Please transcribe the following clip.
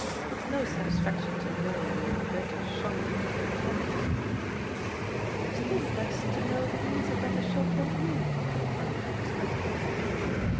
It is no satisfaction to know that you are a better shot than your antagonist." "Still less to know that he is a better shot than you," remarked Miss Grantham.